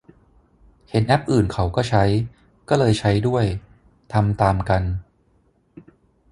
เห็นแอปอื่นเขาก็ใช้ ก็เลยใช้ด้วย ทำตามกัน